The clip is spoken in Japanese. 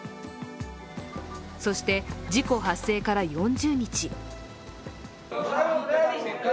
そして、事故発生から４０日。